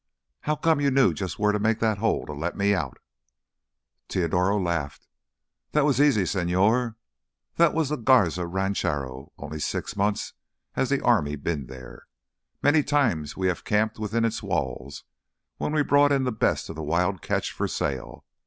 "How come you knew just where to make that hole to let me out?" Teodoro laughed. "That was easy, señor. That was the Garza Rancho—only six months has the army been there. Many times we have camped within its walls when we brought in the best of the wild catch for sale.